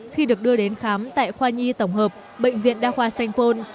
khi được đưa đến khám tại khoa nhi tổng hợp bệnh viện đa khoa sanh phôn